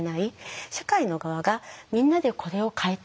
社会の側がみんなでこれを変えていこう。